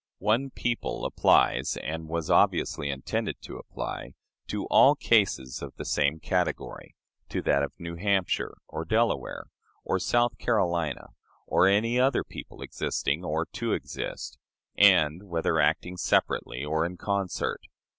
"One people" applies, and was obviously intended to apply, to all cases of the same category to that of New Hampshire, or Delaware, or South Carolina, or of any other people existing or to exist, and whether acting separately or in concert.